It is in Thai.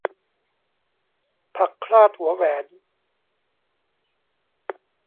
ผักคราดหัวแหวน